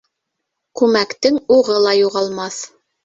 Күмәктең уғы ла юғалмаҫ.